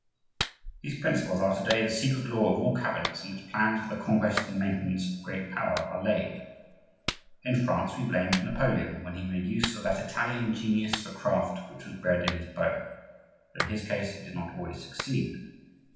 These principles are to day the secret law of all cabinets in which plans for the conquest and maintenance of great power are laid. In France we blamed Napoleon when he made use of that Italian genius for craft which was bred in his bone,—though in his case it did not always succeed.